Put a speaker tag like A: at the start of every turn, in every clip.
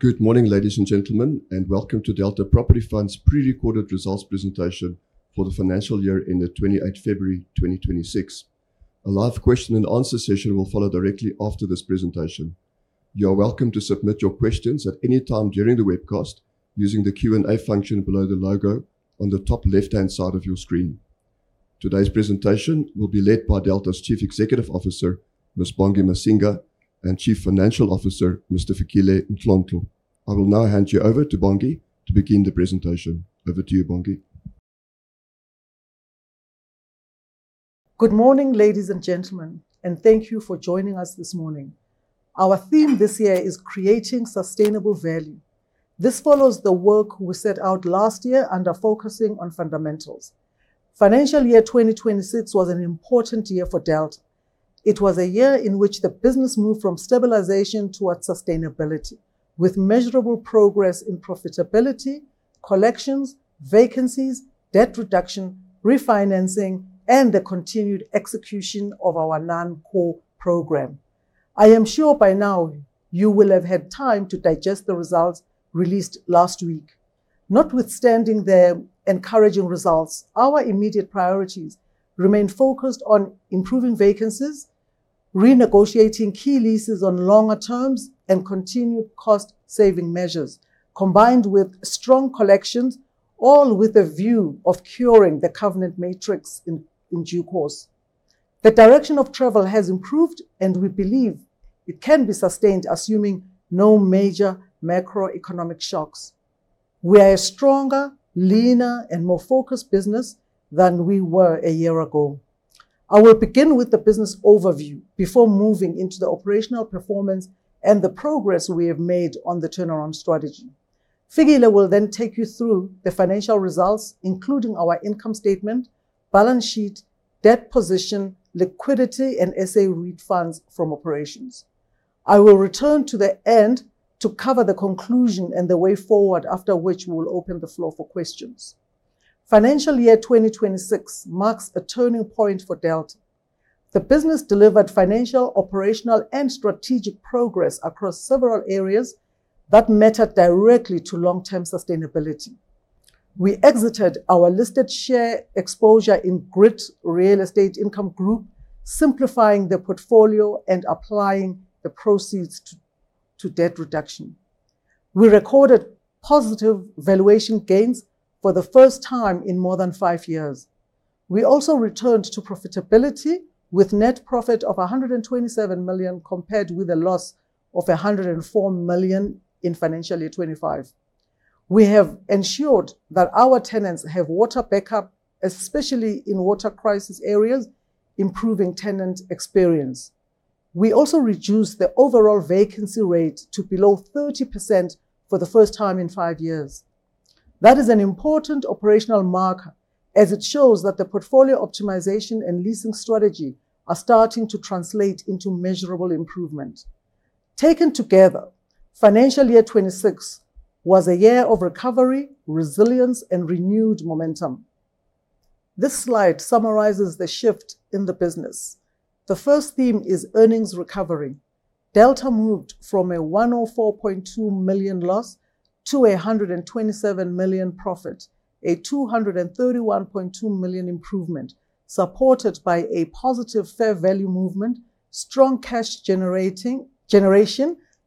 A: Good morning, ladies and gentlemen, and welcome to Delta Property Fund's prerecorded results presentation for the financial year ended 28 February 2026. A live question and answer session will follow directly after this presentation. You are welcome to submit your questions at any time during the webcast using the Q&A function below the logo on the top left-hand side of your screen. Today's presentation will be led by Delta's Chief Executive Officer, Ms. Bongi Masinga, and Chief Financial Officer, Mr. Fikile Mhlontlo. I will now hand you over to Bongi to begin the presentation. Over to you, Bongi.
B: Good morning, ladies and gentlemen, and thank you for joining us this morning. Our theme this year is creating sustainable value. This follows the work we set out last year under focusing on fundamentals. Financial year 2026 was an important year for Delta. It was a year in which the business moved from stabilization towards sustainability, with measurable progress in profitability, collections, vacancies, debt reduction, refinancing, and the continued execution of our non-core program. I am sure by now you will have had time to digest the results released last week. Notwithstanding the encouraging results, our immediate priorities remain focused on improving vacancies, renegotiating key leases on longer terms, and continued cost-saving measures, combined with strong collections, all with a view of curing the covenant metrics in due course. The direction of travel has improved, and we believe it can be sustained, assuming no major macroeconomic shocks. We are a stronger, leaner, and more focused business than we were a year ago. I will begin with the business overview before moving into the operational performance and the progress we have made on the turnaround strategy. Fikile will then take you through the financial results, including our income statement, balance sheet, debt position, liquidity, and SA REIT funds from operations. I will return to the end to cover the conclusion and the way forward, after which we will open the floor for questions. Financial year 2026 marks a turning point for Delta. The business delivered financial, operational, and strategic progress across several areas that matter directly to long-term sustainability. We exited our listed share exposure in Grit Real Estate Income Group, simplifying the portfolio and applying the proceeds to debt reduction. We recorded positive valuation gains for the first time in more than five years. We also returned to profitability with net profit of 127 million, compared with a loss of 104 million in financial year 2025. We have ensured that our tenants have water backup, especially in water crisis areas, improving tenant experience. We also reduced the overall vacancy rate to below 30% for the first time in five years. That is an important operational marker as it shows that the portfolio optimization and leasing strategy are starting to translate into measurable improvement. Taken together, financial year 2026 was a year of recovery, resilience, and renewed momentum. This slide summarizes the shift in the business. The first theme is earnings recovery. Delta moved from a 104.2 million loss to 127 million profit, a 231.2 million improvement, supported by a positive fair value movement, strong cash generation,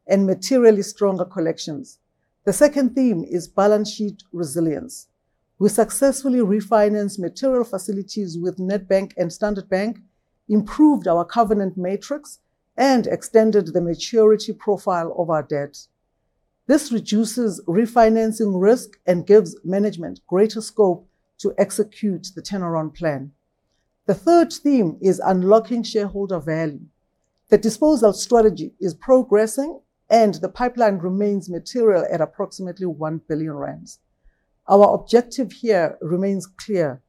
B: and materially stronger collections. The second theme is balance sheet resilience. We successfully refinanced material facilities with Nedbank and Standard Bank, improved our covenant metrics, and extended the maturity profile of our debt. This reduces refinancing risk and gives management greater scope to execute the turnaround plan. The third theme is unlocking shareholder value. The disposal strategy is progressing, and the pipeline remains material at approximately 1 billion rand. Our objective here remains clear: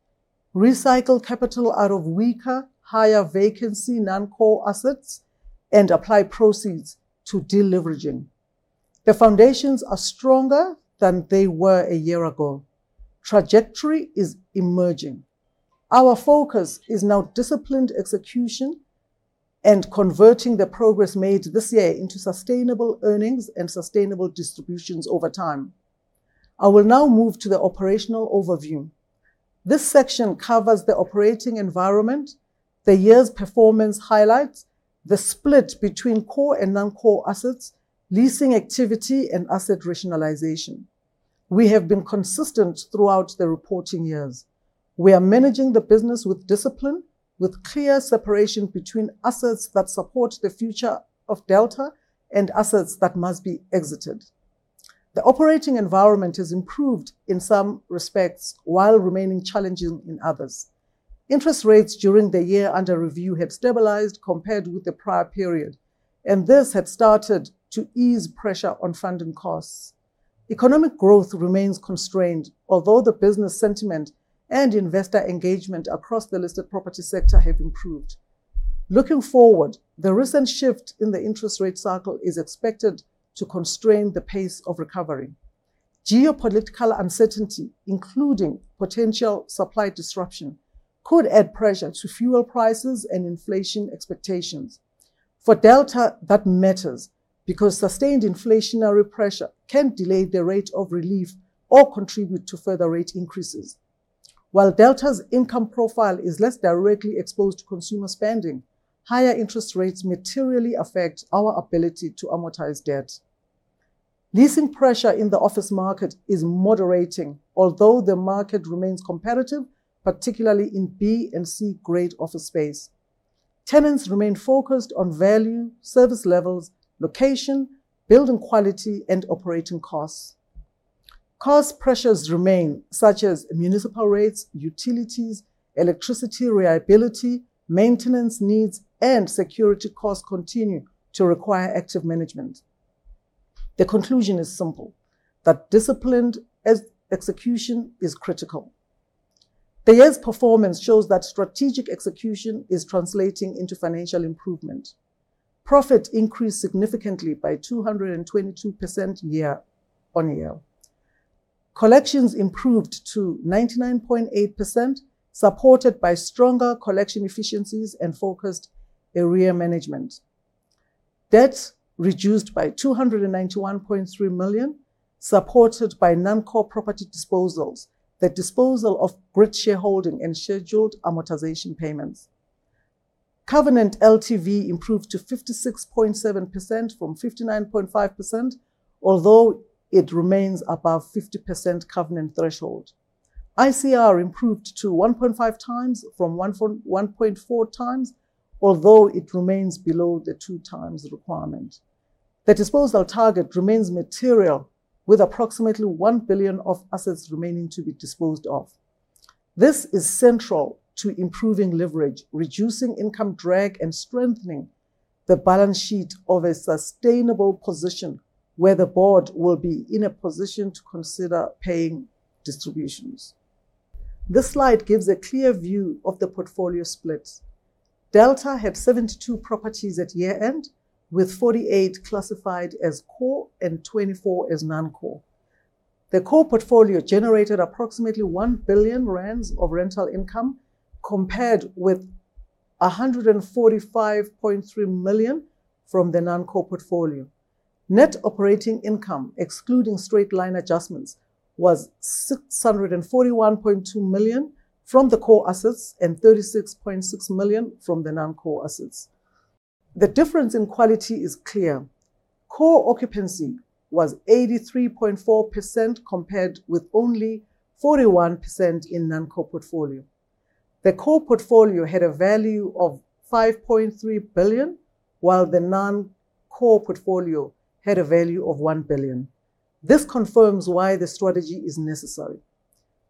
B: recycle capital out of weaker, higher vacancy non-core assets and apply proceeds to deleveraging. The foundations are stronger than they were a year ago. Trajectory is emerging. Our focus is now disciplined execution and converting the progress made this year into sustainable earnings and sustainable distributions over time. I will now move to the operational overview. This section covers the operating environment, the year's performance highlights, the split between core and non-core assets, leasing activity, and asset rationalization. We have been consistent throughout the reporting years. We are managing the business with discipline, with clear separation between assets that support the future of Delta and assets that must be exited. The operating environment has improved in some respects while remaining challenging in others. Interest rates during the year under review have stabilized compared with the prior period, and this has started to ease pressure on funding costs. Economic growth remains constrained, although the business sentiment and investor engagement across the listed property sector have improved. Looking forward, the recent shift in the interest rate cycle is expected to constrain the pace of recovery. Geopolitical uncertainty, including potential supply disruption, could add pressure to fuel prices and inflation expectations. For Delta, that matters because sustained inflationary pressure can delay the rate of relief or contribute to further rate increases. While Delta's income profile is less directly exposed to consumer spending, higher interest rates materially affect our ability to amortize debt. Leasing pressure in the office market is moderating, although the market remains competitive, particularly in B and C grade office space. Tenants remain focused on value, service levels, location, building quality, and operating costs. Cost pressures remain, such as municipal rates, utilities, electricity reliability, maintenance needs, and security costs continue to require active management. The conclusion is simple, that disciplined execution is critical. The year's performance shows that strategic execution is translating into financial improvement. Profit increased significantly by 222% year-on-year. Collections improved to 99.8%, supported by stronger collection efficiencies and focused area management. Debt reduced by 291.3 million, supported by non-core property disposals, the disposal of Grit shareholding, and scheduled amortization payments. Covenant LTV improved to 56.7% from 59.5%, although it remains above 50% covenant threshold. ICR improved to 1.5x from 1.4x, although it remains below the 2x requirement. The disposal target remains material with approximately 1 billion of assets remaining to be disposed of. This is central to improving leverage, reducing income drag, and strengthening the balance sheet of a sustainable position where the board will be in a position to consider paying distributions. This slide gives a clear view of the portfolio splits. Delta had 72 properties at year-end, with 48 classified as core and 24 as non-core. The core portfolio generated approximately 1 billion rand of rental income, compared with 145.3 million from the non-core portfolio. Net operating income, excluding straight-line adjustments, was 641.2 million from the core assets and 36.6 million from the non-core assets. The difference in quality is clear. Core occupancy was 83.4% compared with only 41% in non-core portfolio. The core portfolio had a value of 5.3 billion, while the non-core portfolio had a value of 1 billion. This confirms why the strategy is necessary.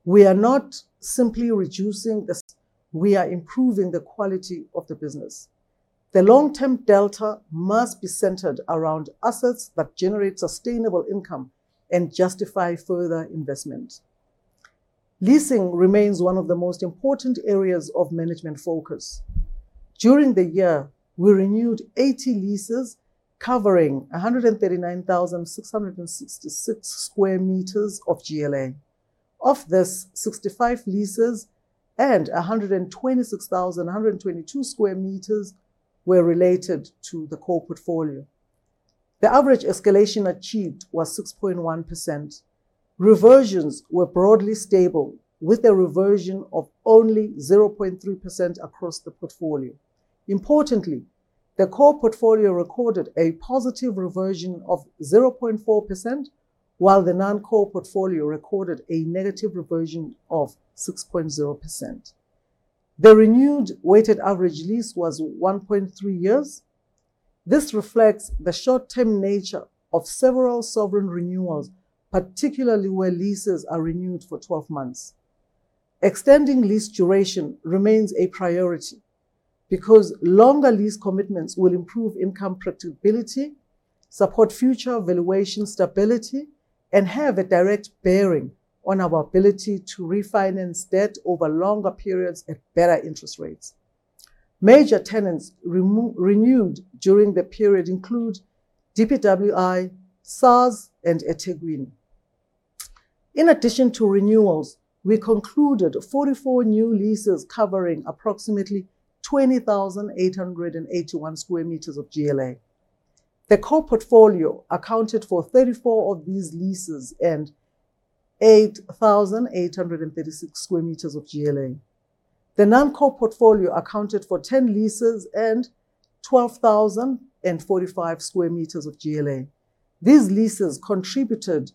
B: We are improving the quality of the business. The long-term Delta must be centered around assets that generate sustainable income and justify further investment. Leasing remains one of the most important areas of management focus. During the year, we renewed 80 leases covering 139,666 sq m of GLA. Of this, 65 leases and 126,122 sq m were related to the core portfolio. The average escalation achieved was 6.1%. Reversions were broadly stable, with a reversion of only 0.3% across the portfolio. Importantly, the core portfolio recorded a positive reversion of 0.4%, while the non-core portfolio recorded a negative reversion of 6.0%. The renewed weighted average lease was 1.3 years. This reflects the short-term nature of several sovereign renewals, particularly where leases are renewed for 12 months. Extending lease duration remains a priority because longer lease commitments will improve income predictability, support future valuation stability, and have a direct bearing on our ability to refinance debt over longer periods at better interest rates. Major tenants renewed during the period include DPWI, SARS, and eThekwini. In addition to renewals, we concluded 44 new leases covering approximately 20,881 sq m of GLA. The core portfolio accounted for 34 of these leases and 8,836 sq m of GLA. The non-core portfolio accounted for 10 leases and 12,045 sq m of GLA. These leases contributed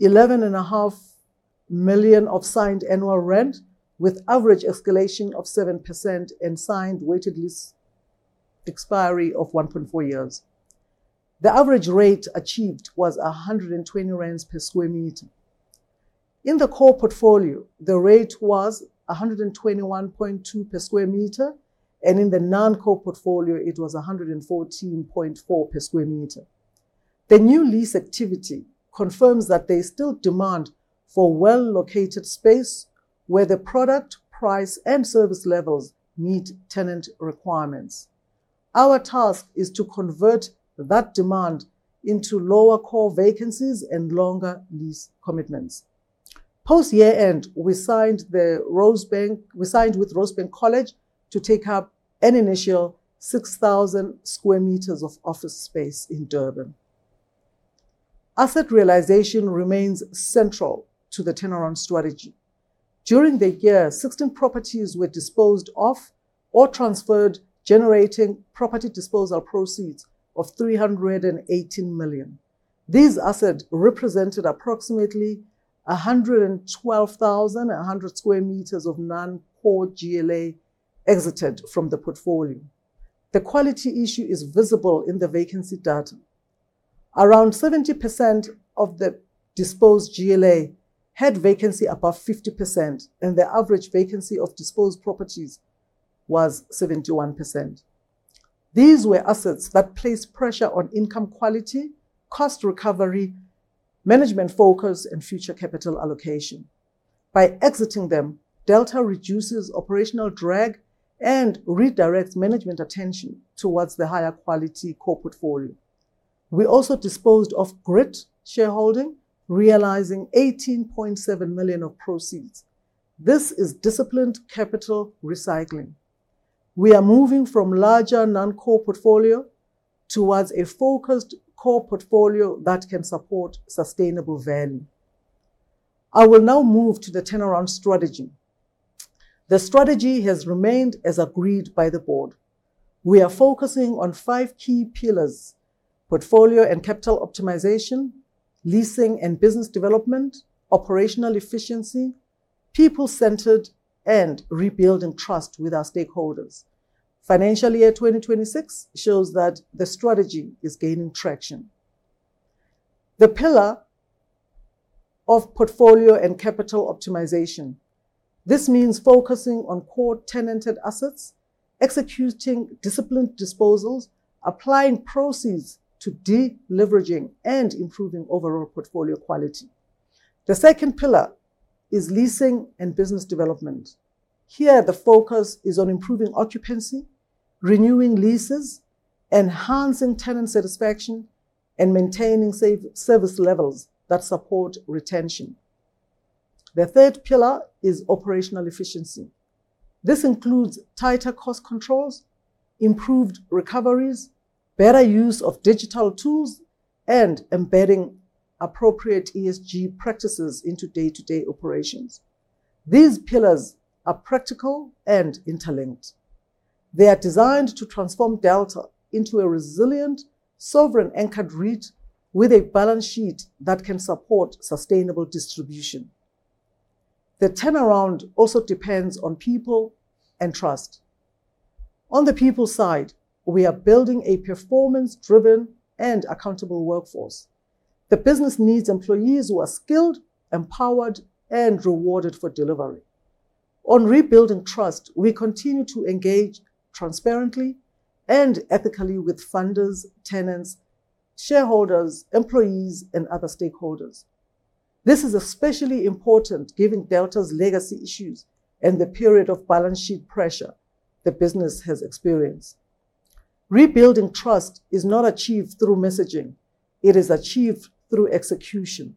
B: 11.5 million of signed annual rent, with average escalation of 7% and signed weighted lease expiry of 1.4 years. The average rate achieved was 120 rand per sq m. In the core portfolio, the rate was 121.2 per sq m, and in the non-core portfolio, it was 114.4 per sq m. The new lease activity confirms that there is still demand for well-located space where the product, price, and service levels meet tenant requirements. Our task is to convert that demand into lower core vacancies and longer lease commitments. Post year-end, we signed with Rosebank College to take up an initial 6,000 sq m of office space in Durban. Asset realization remains central to the turnaround strategy. During the year, 16 properties were disposed of or transferred, generating property disposal proceeds of 318 million. These assets represented approximately 112,100 sq m of non-core GLA exited from the portfolio. The quality issue is visible in the vacancy data. Around 70% of the disposed GLA had vacancy above 50%, and the average vacancy of disposed properties was 71%. These were assets that place pressure on income quality, cost recovery, management focus, and future capital allocation. By exiting them, Delta reduces operational drag and redirects management attention towards the higher quality core portfolio. We also disposed of Grit shareholding, realizing 18.7 million of proceeds. This is disciplined capital recycling. We are moving from larger non-core portfolio towards a focused core portfolio that can support sustainable value. I will now move to the turnaround strategy. The strategy has remained as agreed by the board. We are focusing on five key pillars: portfolio and capital optimization, leasing and business development, operational efficiency, people centered, and rebuilding trust with our stakeholders. Financial year 2026 shows that the strategy is gaining traction. The pillar of portfolio and capital optimization. This means focusing on core tenanted assets, executing disciplined disposals, applying proceeds to de-leveraging, and improving overall portfolio quality. The second pillar is leasing and business development. Here, the focus is on improving occupancy, renewing leases, enhancing tenant satisfaction, and maintaining service levels that support retention. The third pillar is operational efficiency. This includes tighter cost controls, improved recoveries, better use of digital tools, and embedding appropriate ESG practices into day-to-day operations. These pillars are practical and interlinked. They are designed to transform Delta into a resilient, sovereign-anchored REIT with a balance sheet that can support sustainable distribution. The turnaround also depends on people and trust. On the people side, we are building a performance-driven and accountable workforce. The business needs employees who are skilled, empowered, and rewarded for delivery. On rebuilding trust, we continue to engage transparently and ethically with funders, tenants, shareholders, employees, and other stakeholders. This is especially important given Delta's legacy issues and the period of balance sheet pressure the business has experienced. Rebuilding trust is not achieved through messaging. It is achieved through execution.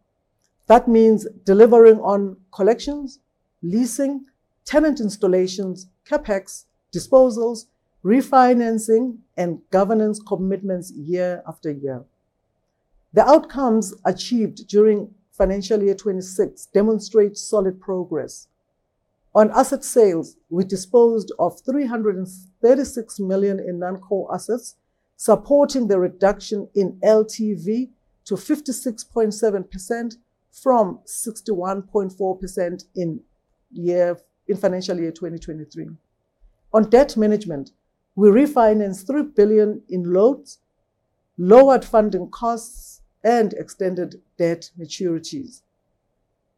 B: That means delivering on collections, leasing, tenant installations, CapEx, disposals, refinancing, and governance commitments year after year. The outcomes achieved during financial year 2026 demonstrate solid progress. On asset sales, we disposed of 336 million in non-core assets, supporting the reduction in LTV to 56.7% from 61.4% in financial year 2023. On debt management, we refinanced 3 billion in loans, lowered funding costs, and extended debt maturities.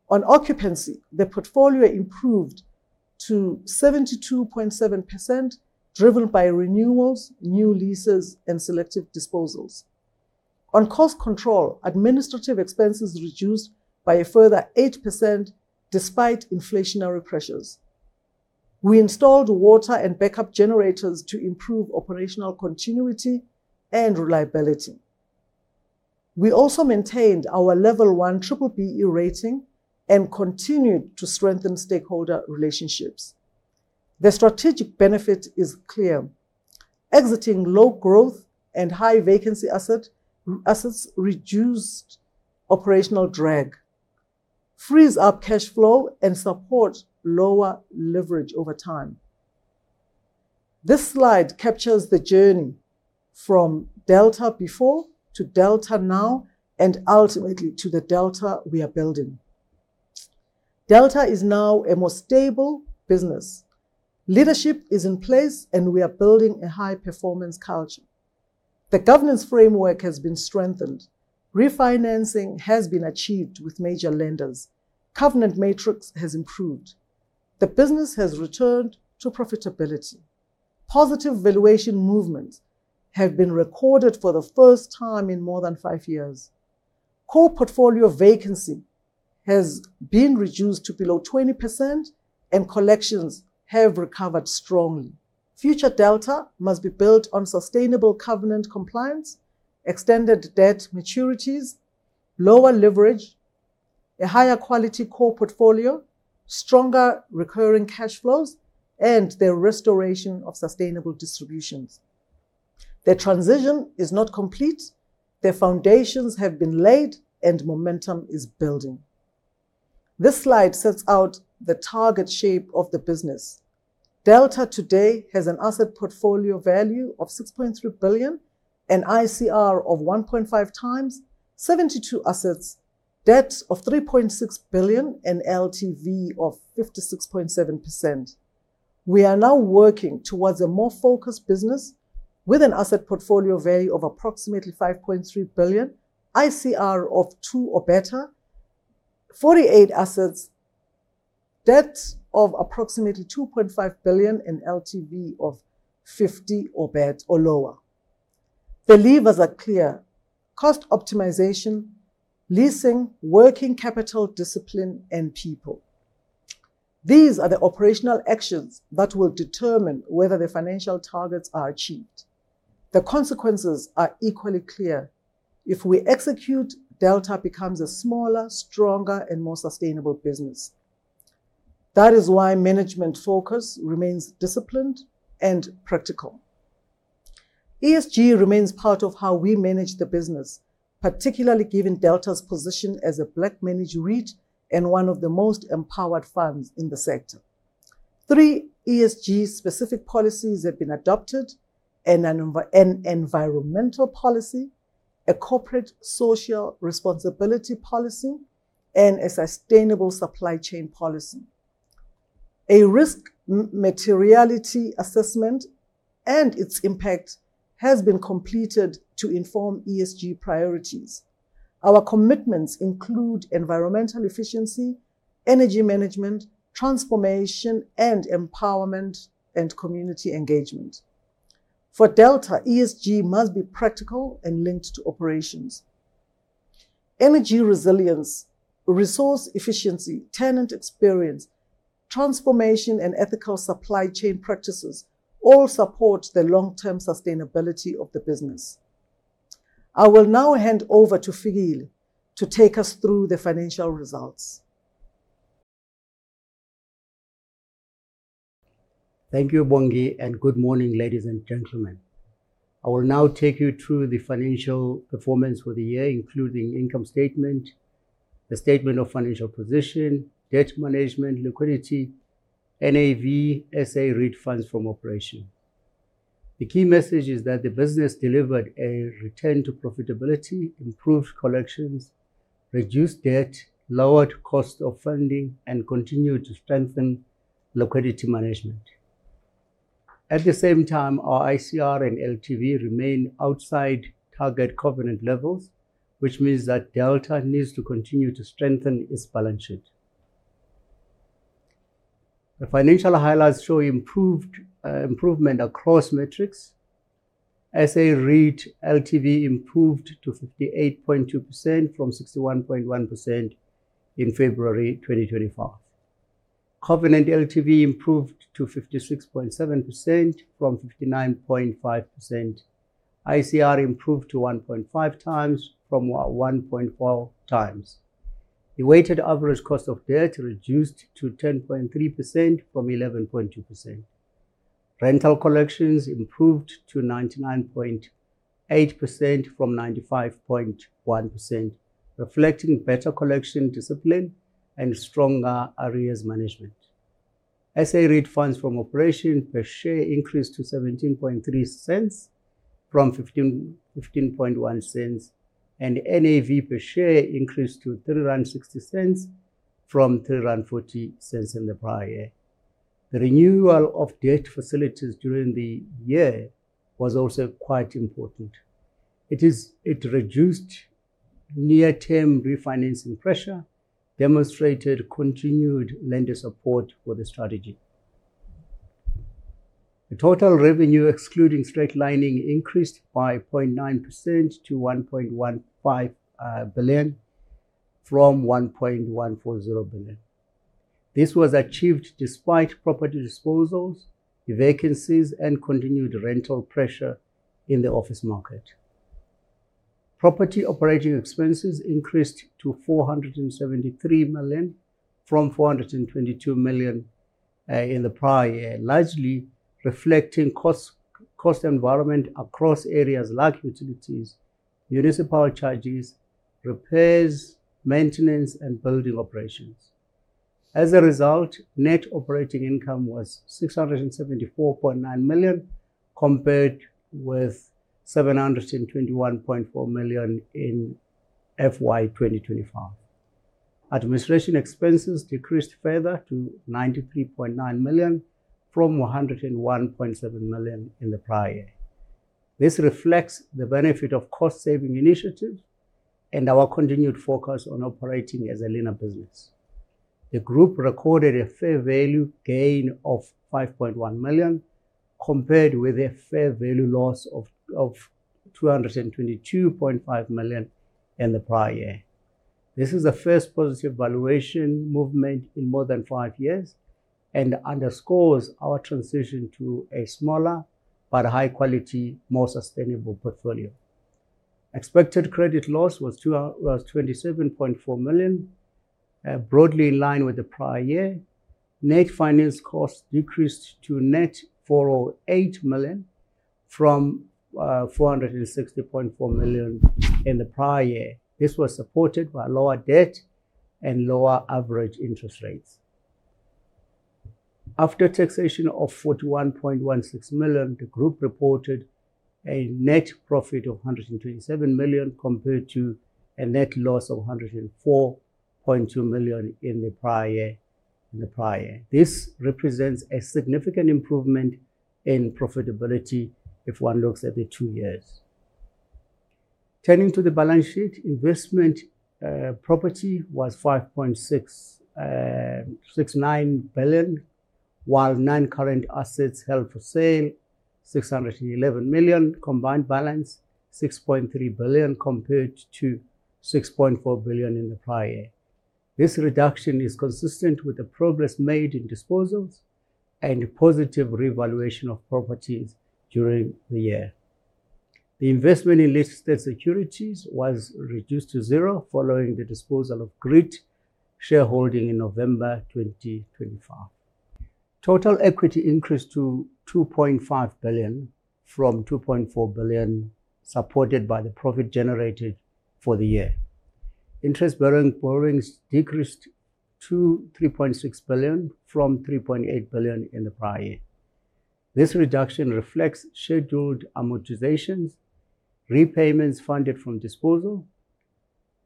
B: On occupancy, the portfolio improved to 72.7%, driven by renewals, new leases, and selective disposals. On cost control, administrative expenses reduced by a further 8% despite inflationary pressures. We installed water and backup generators to improve operational continuity and reliability. We also maintained our level 1 B-BBEE rating and continued to strengthen stakeholder relationships. The strategic benefit is clear. Exiting low growth and high vacancy assets reduced operational drag, frees up cash flow, and supports lower leverage over time. This slide captures the journey from Delta before to Delta now, and ultimately to the Delta we are building. Delta is now a more stable business. Leadership is in place, and we are building a high-performance culture. The governance framework has been strengthened. Refinancing has been achieved with major lenders. Covenant metrics has improved. The business has returned to profitability. Positive valuation movements have been recorded for the first time in more than five years. Core portfolio vacancy has been reduced to below 20% and collections have recovered strongly. Future Delta must be built on sustainable covenant compliance, extended debt maturities, lower leverage, a higher quality core portfolio, stronger recurring cash flows, and the restoration of sustainable distributions. The transition is not complete. The foundations have been laid and momentum is building. This slide sets out the target shape of the business. Delta today has an asset portfolio value of 6.3 billion, an ICR of 1.5x, 72 assets, debt of 3.6 billion and LTV of 56.7%. We are now working towards a more focused business with an asset portfolio value of approximately 5.3 billion, ICR of 2x or better, 48 assets, debt of approximately 2.5 billion and LTV of 50% or lower. The levers are clear, cost optimization, leasing, working capital discipline, and people. These are the operational actions that will determine whether the financial targets are achieved. The consequences are equally clear. If we execute, Delta becomes a smaller, stronger, and more sustainable business. That is why management focus remains disciplined and practical. ESG remains part of how we manage the business, particularly given Delta's position as a black managed REIT and one of the most empowered funds in the sector. Three ESG specific policies have been adopted, an environmental policy, a corporate social responsibility policy, and a sustainable supply chain policy. A risk materiality assessment and its impact has been completed to inform ESG priorities. Our commitments include environmental efficiency, energy management, transformation, and empowerment, and community engagement. For Delta, ESG must be practical and linked to operations. Energy resilience, resource efficiency, tenant experience, transformation, and ethical supply chain practices all support the long-term sustainability of the business. I will now hand over to Fikile to take us through the financial results.
C: Thank you, Bongi. Good morning, ladies and gentlemen. I will now take you through the financial performance for the year, including income statement, the statement of financial position, debt management, liquidity, NAV, SA REIT Funds From Operations. The key message is that the business delivered a return to profitability, improved collections, reduced debt, lowered cost of funding, and continued to strengthen liquidity management. At the same time, our ICR and LTV remain outside target covenant levels, which means that Delta needs to continue to strengthen its balance sheet. The financial highlights show improvement across metrics. SA REIT LTV improved to 58.2% from 61.1% in February 2025. Covenant LTV improved to 56.7% from 59.5%. ICR improved to 1.5x from 1.4x. The weighted average cost of debt reduced to 10.3% from 11.2%. Rental collections improved to 99.8% from 95.1%, reflecting better collection discipline and stronger arrears management. SA REIT funds from operation per share increased to 0.173 from 0.151, and NAV per share increased to 3.60 from 3.40 in the prior year. The renewal of debt facilities during the year was also quite important. It reduced near-term refinancing pressure, demonstrated continued lender support for the strategy. The total revenue, excluding straight lining, increased by 0.9% to 1.15 billion, from 1.140 billion. This was achieved despite property disposals, vacancies, and continued rental pressure in the office market. Property operating expenses increased to 473 million from 422 million in the prior year, largely reflecting cost environment across areas like utilities, municipal charges, repairs, maintenance, and building operations. As a result, net operating income was 674.9 million compared with 721.4 million in FY 2025. Administration expenses decreased further to 93.9 million from 101.7 million in the prior year. This reflects the benefit of cost saving initiatives and our continued focus on operating as a leaner business. The group recorded a fair value gain of 5.1 million, compared with a fair value loss of 222.5 million in the prior year. This is the first positive valuation movement in more than five years and underscores our transition to a smaller but high quality, more sustainable portfolio. Expected credit loss was 27.4 million, broadly in line with the prior year. Net finance costs decreased to a net 408 million from 460.4 million in the prior year. This was supported by lower debt and lower average interest rates. After taxation of 41.16 million, the group reported a net profit of 127 million, compared to a net loss of 104.2 million in the prior year. This represents a significant improvement in profitability if one looks at the two years. Turning to the balance sheet, investment property was 5.69 billion, while non-current assets held for sale, 611 million. Combined balance, 6.3 billion, compared to 6.4 billion in the prior year. This reduction is consistent with the progress made in disposals and positive revaluation of properties during the year. The investment in listed securities was reduced to zero following the disposal of Grit shareholding in November 2025. Total equity increased to 2.5 billion from 2.4 billion, supported by the profit generated for the year. Interest-bearing borrowings decreased to 3.6 billion from 3.8 billion in the prior year. This reduction reflects scheduled amortizations, repayments funded from disposal.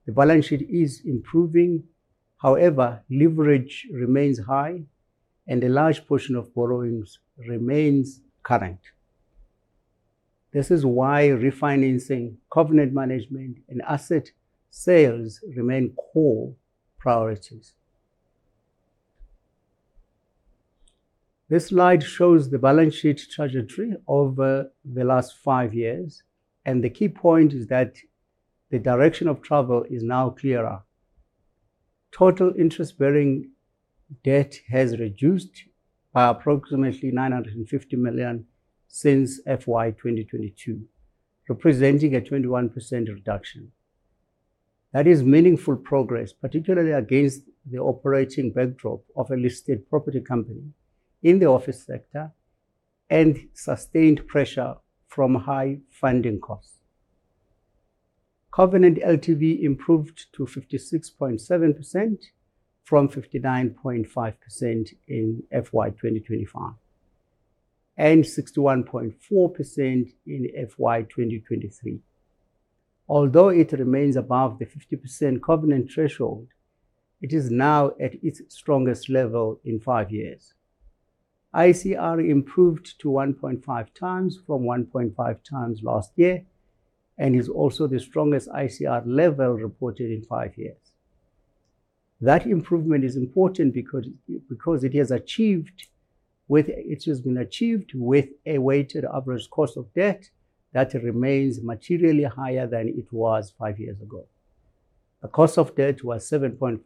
C: The balance sheet is improving. However, leverage remains high and a large portion of borrowings remains current. This is why refinancing, covenant management, and asset sales remain core priorities. This slide shows the balance sheet trajectory over the last five years, and the key point is that the direction of travel is now clearer. Total interest-bearing debt has reduced by approximately 950 million since FY 2022, representing a 21% reduction. That is meaningful progress, particularly against the operating backdrop of a listed property company in the office sector and sustained pressure from high funding costs. Covenant LTV improved to 56.7% from 59.5% in FY 2025, and 61.4% in FY 2023. Although it remains above the 50% covenant threshold, it is now at its strongest level in five years. ICR improved to 1.5x from 1.4x last year and is also the strongest ICR level reported in five years. That improvement is important because it has been achieved with a weighted average cost of debt that remains materially higher than it was five years ago. The cost of debt was 7.5%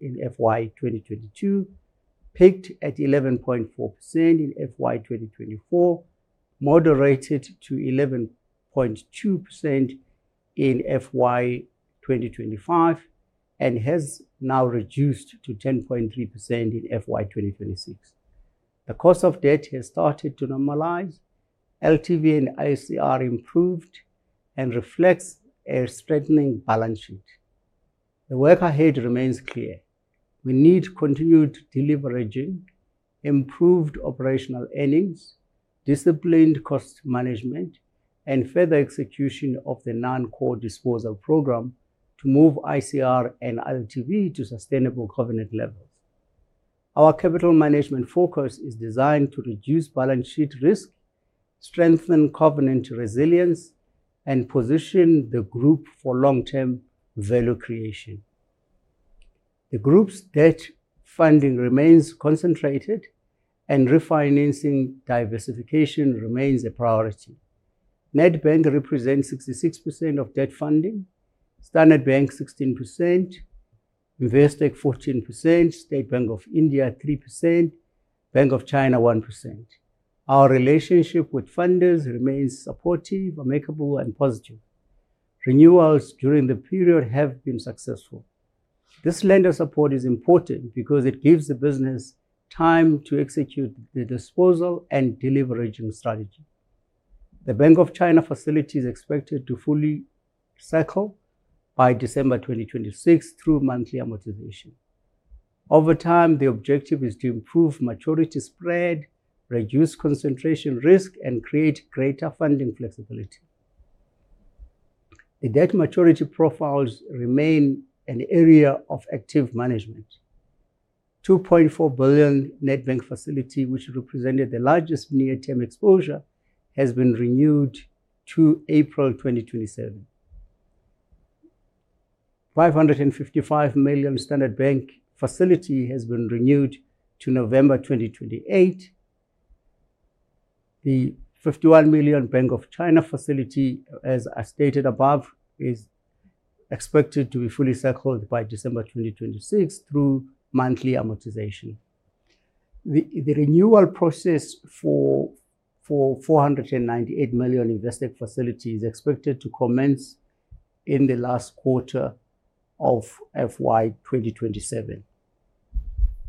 C: in FY 2022, peaked at 11.4% in FY 2024, moderated to 11.2% in FY 2025, and has now reduced to 10.3% in FY 2026. The cost of debt has started to normalize. LTV and ICR improved and reflects a strengthening balance sheet. The work ahead remains clear. We need continued deleveraging, improved operational earnings, disciplined cost management, and further execution of the non-core disposal program to move ICR and LTV to sustainable covenant levels. Our capital management focus is designed to reduce balance sheet risk, strengthen covenant resilience, and position the group for long-term value creation. The group's debt funding remains concentrated, and refinancing diversification remains a priority. Nedbank represents 66% of debt funding, Standard Bank 16%, Investec 14%, State Bank of India 3%, Bank of China 1%. Our relationship with funders remains supportive, amicable, and positive. Renewals during the period have been successful. This lender support is important because it gives the business time to execute the disposal and deleveraging strategy. The Bank of China facility is expected to fully cycle by December 2026 through monthly amortization. Over time, the objective is to improve maturity spread, reduce concentration risk, and create greater funding flexibility. The debt maturity profiles remain an area of active management. 2.4 billion Nedbank facility, which represented the largest near-term exposure, has been renewed to April 2027. 555 million Standard Bank facility has been renewed to November 2028. The 51 million Bank of China facility, as stated above, is expected to be fully cycled by December 2026 through monthly amortization. The renewal process for 498 million Investec facility is expected to commence in the last quarter of FY 2027.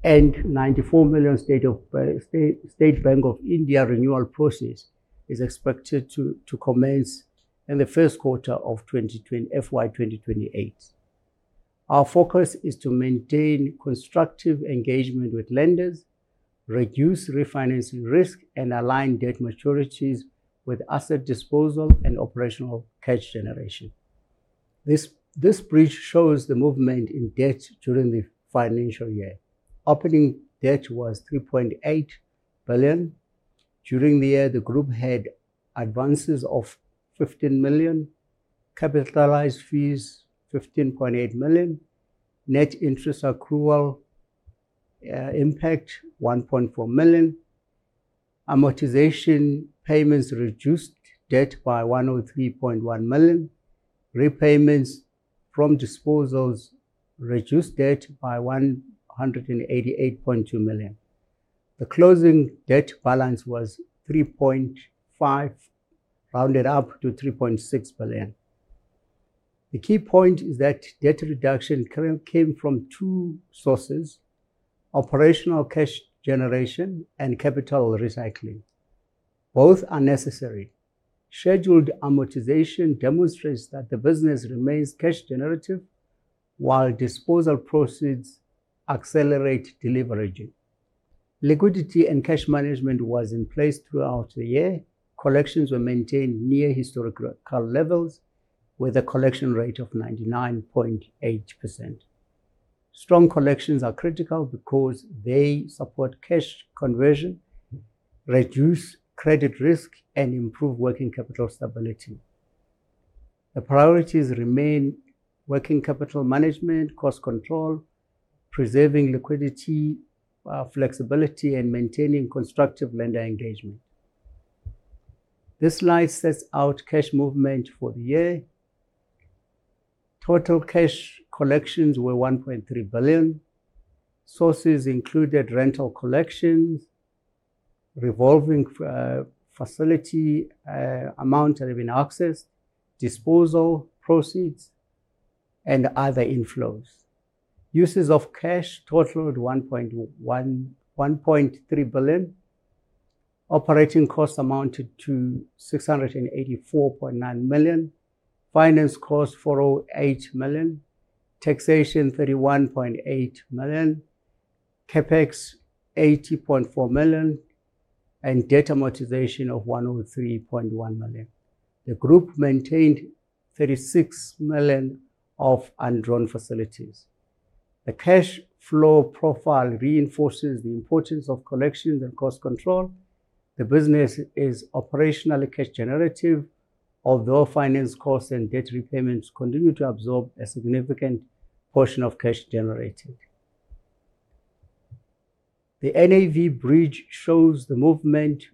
C: 94 million State Bank of India renewal process is expected to commence in the first quarter of FY 2028. Our focus is to maintain constructive engagement with lenders, reduce refinancing risk, and align debt maturities with asset disposal and operational cash generation. This bridge shows the movement in debt during the financial year. Opening debt was 3.8 billion. During the year, the group had advances of 15 million, capitalized fees 15.8 million, net interest accrual impact 1.4 million. Amortization payments reduced debt by 103.1 million. Repayments from disposals reduced debt by 188.2 million. The closing debt balance was 3.5 billion, rounded up to 3.6 billion. The key point is that debt reduction came from two sources, operational cash generation and capital recycling. Both are necessary. Scheduled amortization demonstrates that the business remains cash generative while disposal proceeds accelerate deleveraging. Liquidity and cash management was in place throughout the year. Collections were maintained near historical levels with a collection rate of 99.8%. Strong collections are critical because they support cash conversion, reduce credit risk, and improve working capital stability. The priorities remain working capital management, cost control, preserving liquidity, flexibility, and maintaining constructive lender engagement. This slide sets out cash movement for the year. Total cash collections were 1.3 billion. Sources included rental collections, revolving facility amount that have been accessed, disposal proceeds, and other inflows. Uses of cash totaled 1.3 billion. Operating costs amounted to 684.9 million. Finance cost, 408 million. Taxation, 31.8 million. CapEx, 80.4 million. Debt amortization of 103.1 million. The group maintained 36 million of undrawn facilities. The cash flow profile reinforces the importance of collections and cost control. The business is operationally cash generative, although finance costs and debt repayments continue to absorb a significant portion of cash generated. The NAV bridge shows the movement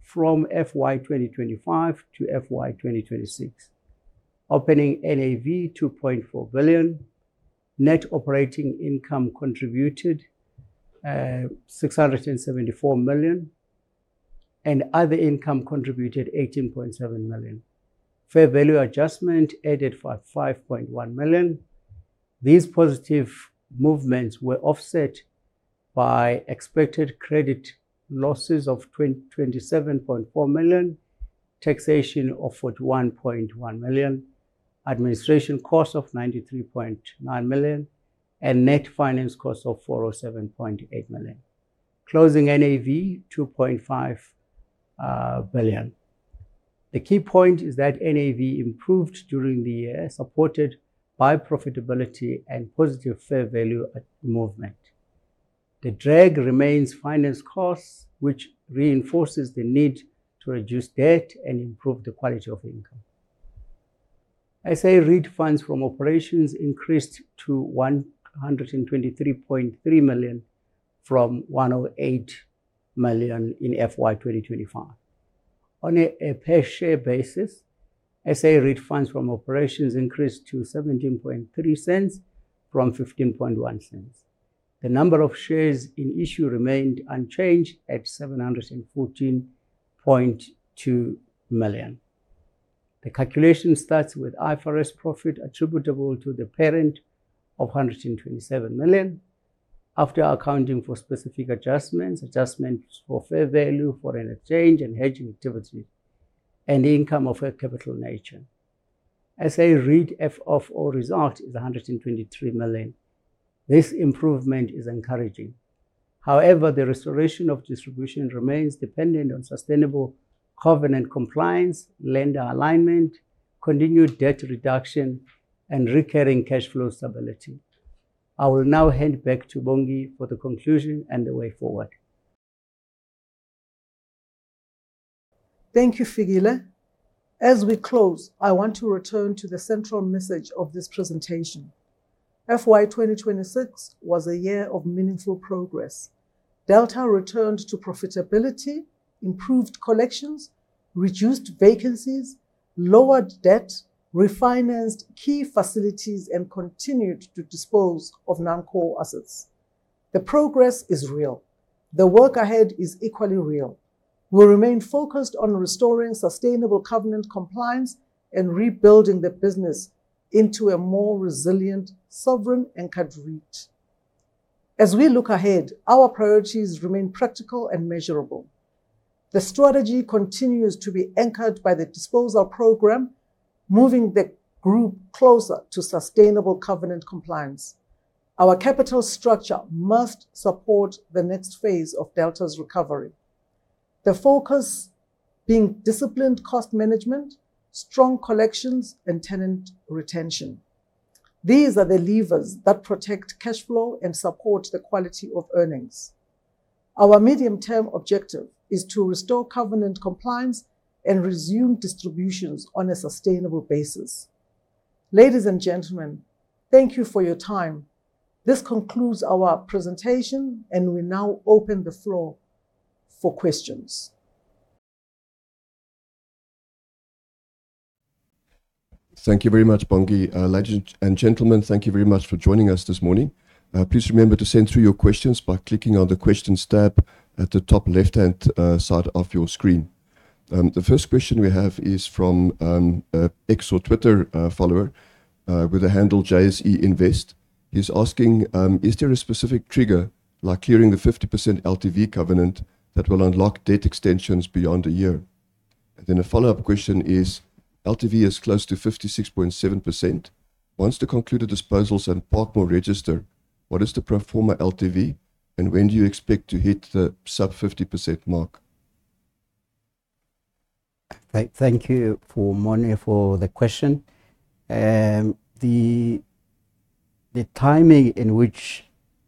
C: from FY 2025 to FY 2026. Opening NAV, 2.4 billion. Net operating income contributed, 674 million, and other income contributed, 18.7 million. Fair value adjustment added 5.1 million. These positive movements were offset by expected credit losses of 27.4 million, taxation of 41.1 million, administration costs of 93.9 million, and net finance costs of 407.8 million. Closing NAV, 2.5 billion. The key point is that NAV improved during the year, supported by profitability and positive fair value movement. The drag remains finance costs, which reinforces the need to reduce debt and improve the quality of income. SA REIT funds from operations increased to 123.3 million from 108 million in FY 2025. On a per share basis, SA REIT funds from operations increased to 0.173 from 0.151. The number of shares in issue remained unchanged at 714.2 million. The calculation starts with IFRS profit attributable to the parent of 127 million. After accounting for specific adjustments for fair value, foreign exchange, and hedging activity, and income of a capital nature. SA REIT FFO result is 123 million. This improvement is encouraging. However, the restoration of distribution remains dependent on sustainable covenant compliance, lender alignment, continued debt reduction, and recurring cash flow stability. I will now hand back to Bongi for the conclusion and the way forward.
B: Thank you, Fikile. As we close, I want to return to the central message of this presentation. FY 2026 was a year of meaningful progress. Delta returned to profitability, improved collections, reduced vacancies, lowered debt, refinanced key facilities, and continued to dispose of non-core assets. The progress is real. The work ahead is equally real. We'll remain focused on restoring sustainable covenant compliance and rebuilding the business into a more resilient sovereign anchor REIT. As we look ahead, our priorities remain practical and measurable. The strategy continues to be anchored by the disposal program, moving the group closer to sustainable covenant compliance. Our capital structure must support the next phase of Delta's recovery. The focus being disciplined cost management, strong collections, and tenant retention. These are the levers that protect cash flow and support the quality of earnings. Our medium-term objective is to restore covenant compliance and resume distributions on a sustainable basis. Ladies and gentlemen, thank you for your time. This concludes our presentation, and we now open the floor for questions.
A: Thank you very much, Bongi. Ladies and gentlemen, thank you very much for joining us this morning. Please remember to send through your questions by clicking on the questions tab at the top left-hand side of your screen. The first question we have is from X or Twitter follower with a handle JSE Invest. He's asking: Is there a specific trigger like clearing the 50% LTV covenant that will unlock debt extensions beyond a year? A follow-up question is: LTV is close to 56.7%. Once the concluded disposals at Parkmore register, what is the pro forma LTV, and when do you expect to hit the sub 50% mark?
C: Thank you for Morne for the question. The timing in which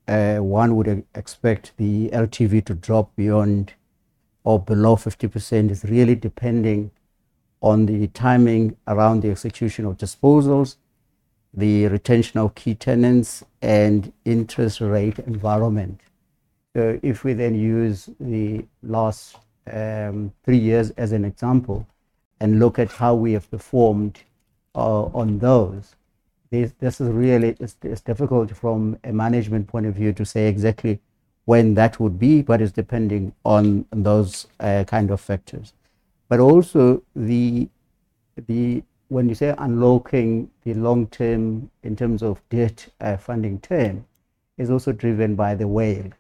C: one would expect the LTV to drop beyond or below 50% is really depending on the timing around the execution of disposals, the retention of key tenants, and interest rate environment. If we use the last three years as an example and look at how we have performed on those, it's difficult from a management point of view to say exactly when that would be, but it's depending on those kind of factors. Also when you say unlocking the long term in terms of debt funding term, is also driven by the WALE.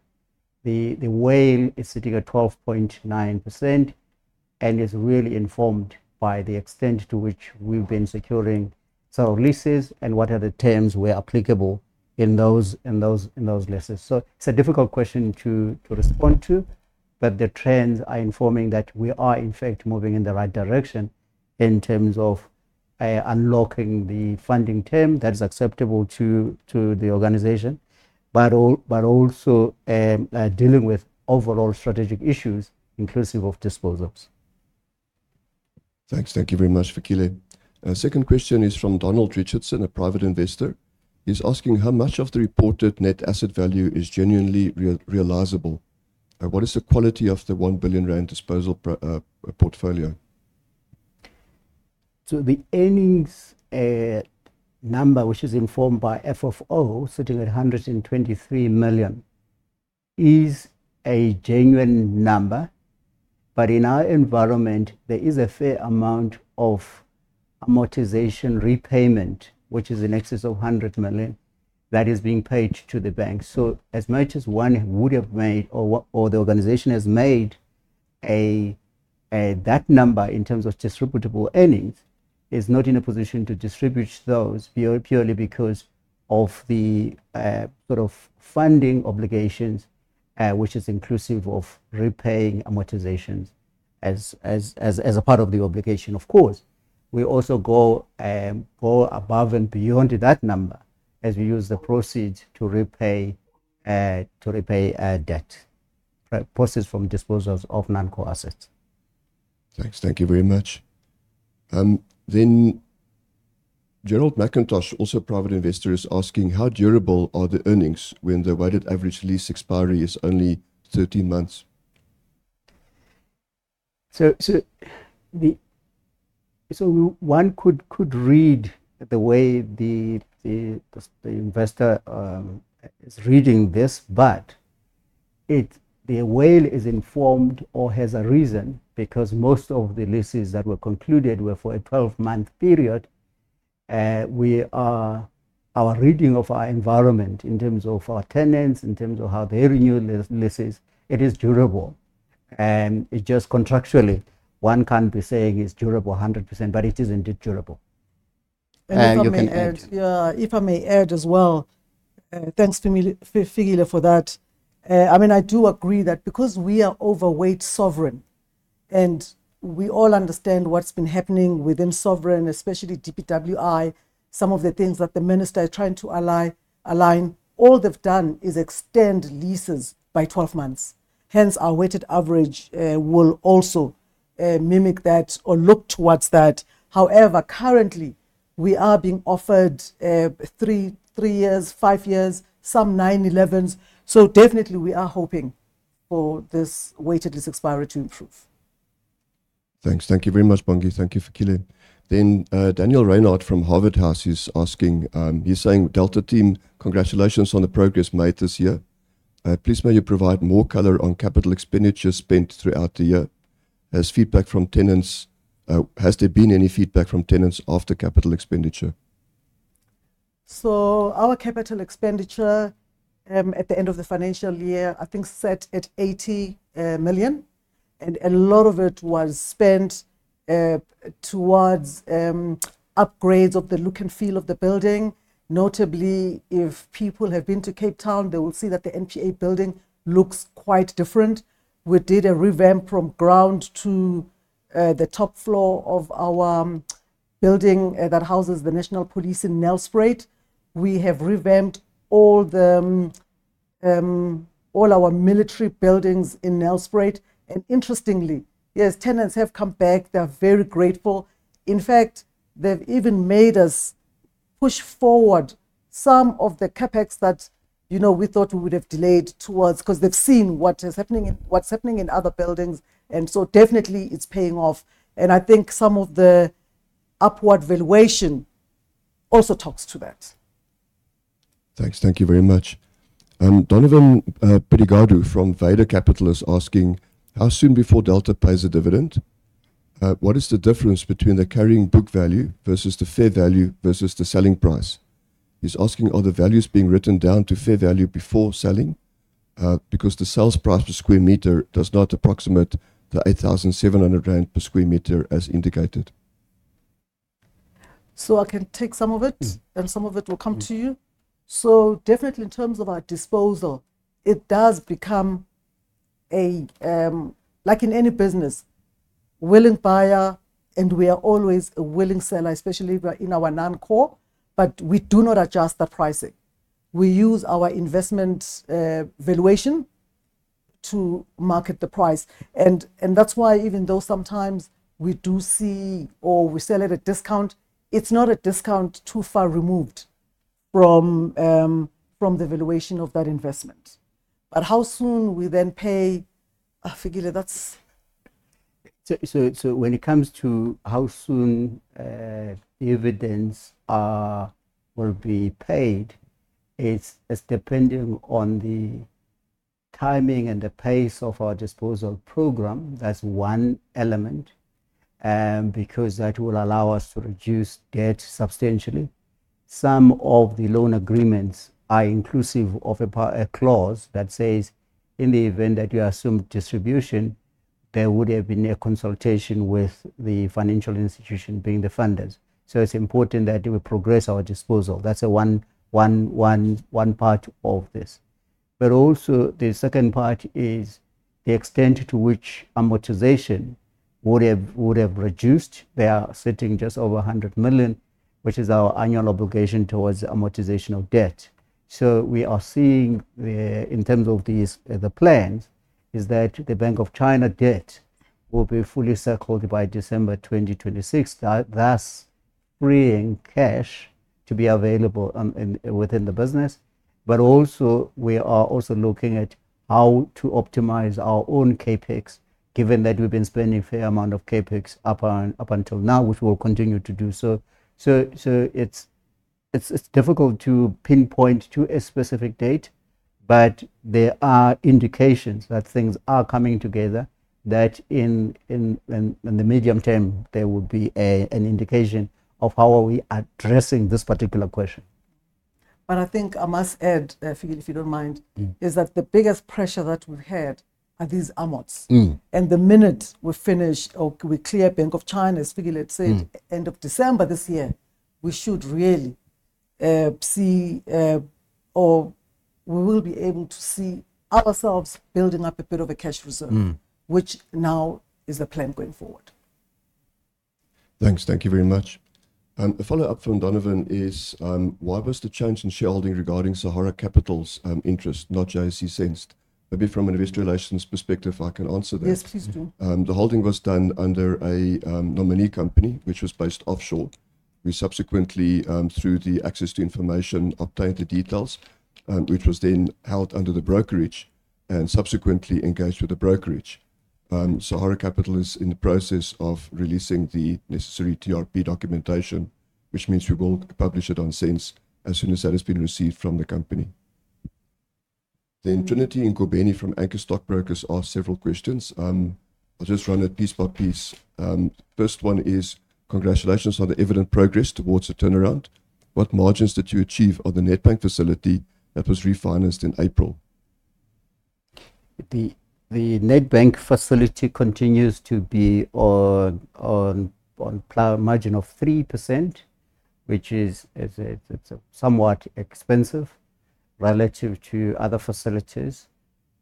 C: The WALE is sitting at 12.9% and is really informed by the extent to which we've been securing leases and what are the terms where applicable in those leases. It's a difficult question to respond to, but the trends are informing that we are in fact moving in the right direction in terms of unlocking the funding term that is acceptable to the organization, but also dealing with overall strategic issues inclusive of disposals.
A: Thanks. Thank you very much, Fikile. Second question is from Donald Richardson, a private investor. He's asking, how much of the reported net asset value is genuinely realizable? What is the quality of the 1 billion rand disposal portfolio?
C: The earnings number, which is informed by FFO sitting at 123 million, is a genuine number. In our environment, there is a fair amount of amortization repayment, which is in excess of 100 million that is being paid to the bank. As much as one would have made or the organization has made that number in terms of distributable earnings, is not in a position to distribute those purely because of the sort of funding obligations which is inclusive of repaying amortizations as a part of the obligation. We also go above and beyond that number as we use the proceeds to repay debt, proceeds from disposals of non-core assets.
A: Thanks. Thank you very much. Gerald Macintosh, also private investor, is asking, how durable are the earnings when the weighted average lease expiry is only 13 months?
C: One could read the way the investor is reading this, but the WALE is informed or has a reason because most of the leases that were concluded were for a 12-month period. Our reading of our environment in terms of our tenants, in terms of how they renew leases, it is durable. It's just contractually one can't be saying it's durable 100%, but it is indeed durable.
B: If I may add as well, thanks to Fikile for that. I do agree that because we are overweight sovereign, and we all understand what's been happening within sovereign, especially DPWI, some of the things that the minister is trying to align. All they've done is extend leases by 12 months. Our weighted average will also mimic that or look towards that. Currently, we are being offered three years, five years, some nine years, 11 years. Definitely we are hoping for this weighted lease expiry to improve.
A: Thanks. Thank you very much, Bongi. Thank you, Fikile. Daniel Reinhardt from Harvard House is asking. He's saying, "Delta team, congratulations on the progress made this year. Please may you provide more color on capital expenditures spent throughout the year. Has there been any feedback from tenants after capital expenditure?"
B: Our capital expenditure at the end of the financial year, I think sat at 80 million. A lot of it was spent towards upgrades of the look and feel of the building. Notably, if people have been to Cape Town, they will see that the NPA building looks quite different. We did a revamp from ground to the top floor of our building that houses the national police in Nelspruit. We have revamped all our military buildings in Nelspruit. Interestingly, yes, tenants have come back. They're very grateful. In fact, they've even made us push forward some of the CapEx that we thought we would've delayed towards, because they've seen what is happening in other buildings, and so definitely it's paying off. I think some of the upward valuation also talks to that.
A: Thanks. Thank you very much. Donnovan Pydigadu from [Vado] Capital is asking, "How soon before Delta pays a dividend? What is the difference between the carrying book value versus the fair value versus the selling price?" He's asking, "Are the values being written down to fair value before selling? Because the sales price per square meter does not approximate the 8,700 rand per sq m as indicated."
B: I can take some of it, and some of it will come to you. Definitely in terms of our disposal, it does become, like in any business, willing buyer, and we are always a willing seller, especially in our non-core, but we do not adjust the pricing. We use our investment valuation to market the price. That's why even though sometimes we do see or we sell at a discount, it's not a discount too far removed from the valuation of that investment. How soon we then pay, Fikile, that's.
C: When it comes to how soon dividends will be paid, it's dependent on the timing and the pace of our disposal program. That's one element, because that will allow us to reduce debt substantially. Some of the loan agreements are inclusive of a clause that says, in the event that you assume distribution, there would have been a consultation with the financial institution being the funders. It's important that we progress our disposal. That's one part of this. Also, the second part is the extent to which amortization would have reduced. They are sitting just over 100 million, which is our annual obligation towards amortization of debt. We are seeing, in terms of the plans, is that the Bank of China debt will be fully settled by December 2026. Thus, freeing cash to be available within the business. Also, we are also looking at how to optimize our own CapEx, given that we've been spending a fair amount of CapEx up until now, which we'll continue to do so. It's difficult to pinpoint to a specific date, but there are indications that things are coming together, that in the medium term, there will be an indication of how are we addressing this particular question.
B: I think I must add, Fikile, if you don't mind. Is that the biggest pressure that we've had are these amorts. The minute we finish or we clear Bank of China, as Fikile had said. End of December this year, we should really see or we will be able to see ourselves building up a bit of a cash reserve. Which now is the plan going forward.
A: Thanks. Thank you very much. A follow-up from Donnovan is, "Why was the change in shareholding regarding Sahara Capital's interest not JSE SENS?" Maybe from an investor relations perspective, I can answer that.
B: Yes, please do.
A: The holding was done under a nominee company, which was based offshore. We subsequently, through the access to information, obtained the details, which was then held under the brokerage and subsequently engaged with the brokerage. Sahara Capital is in the process of releasing the necessary TRP documentation, which means we will publish it on SENS as soon as that has been received from the company. Trinity Ngobeni from Anchor Stockbrokers asked several questions. I'll just run it piece by piece. First one is, "Congratulations on the evident progress towards the turnaround. What margins did you achieve on the Nedbank facility that was refinanced in April?"
C: The Nedbank facility continues to be on margin of 3%, which is somewhat expensive relative to other facilities.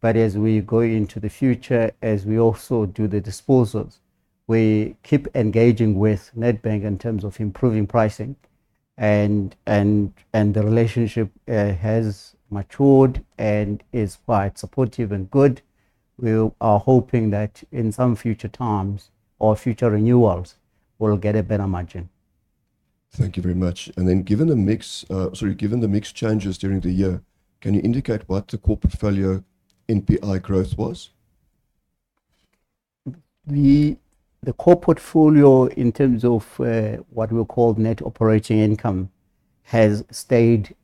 C: As we go into the future, as we also do the disposals, we keep engaging with Nedbank in terms of improving pricing, and the relationship has matured and is quite supportive and good. We are hoping that in some future times or future renewals, we'll get a better margin.
A: Thank you very much. Given the mix changes during the year, can you indicate what the core portfolio NPI growth was?
C: The core portfolio in terms of what we call net operating income, has stayed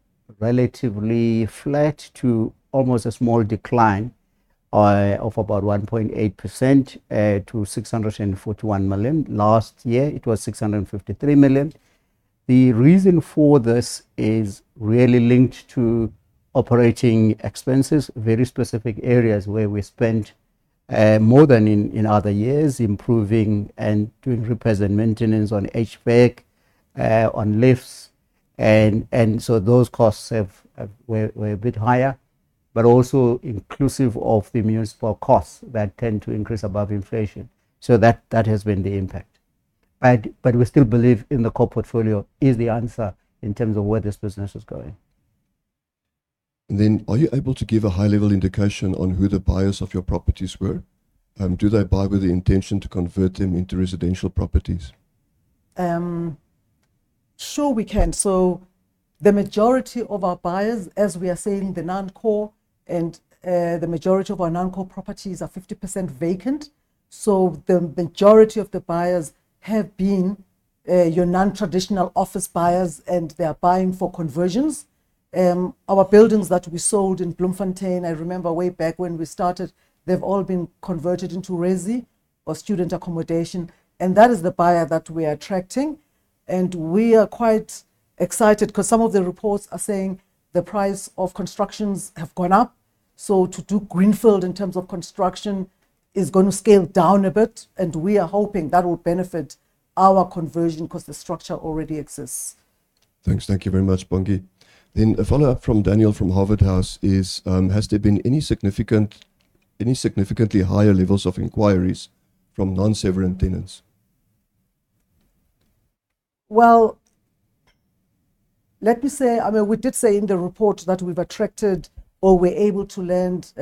C: relatively flat to almost a small decline of about 1.8% to 641 million. Last year, it was 653 million. The reason for this is really linked to operating expenses, very specific areas where we spent more than in other years improving and doing repairs and maintenance on HVAC, on lifts. Those costs were a bit higher, but also inclusive of the municipal costs that tend to increase above inflation. That has been the impact. We still believe in the core portfolio is the answer in terms of where this business is going.
A: Are you able to give a high-level indication on who the buyers of your properties were? Do they buy with the intention to convert them into residential properties?
B: Sure, we can. The majority of our buyers, as we are saying, the non-core and the majority of our non-core properties are 50% vacant. The majority of the buyers have been your non-traditional office buyers, and they're buying for conversions. Our buildings that we sold in Bloemfontein, I remember way back when we started, they've all been converted into resi or student accommodation, and that is the buyer that we are attracting. We are quite excited because some of the reports are saying the price of constructions have gone up. To do greenfield in terms of construction is going to scale down a bit, and we are hoping that will benefit our conversion because the structure already exists.
A: Thanks. Thank you very much, Bongi. A follow-up from Daniel from Harvard House is, has there been any significantly higher levels of inquiries from non-sovereign tenants?
B: Well, let me say, we did say in the report that we've attracted or we're able to land